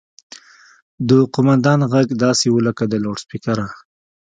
د قوماندان غږ داسې و لکه له لوډسپيکره.